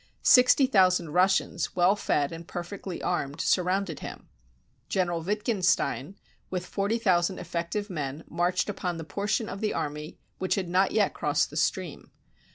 Sixty thousand Russians, well fed and perfectly armed, surrounded him. General Wittgenstein, with forty thousand effective men, marched upon the portion of the army which had not yet crossed the stream.